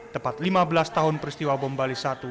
tepat lima belas tahun peristiwa bom bali satu